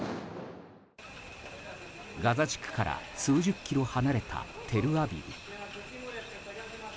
ガザ地区から数十キロ離れたテルアビブ。